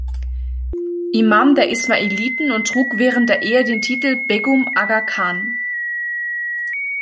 Imam der Ismailiten und trug während der Ehe den Titel Begum Aga Khan.